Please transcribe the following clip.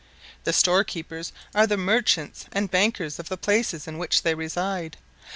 The storekeepers are the merchants and bankers of the places in which they reside.